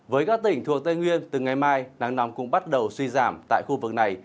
với các tỉnh thuộc tây nguyên từ ngày mai nắng nóng cũng bắt đầu suy giảm tại khu vực này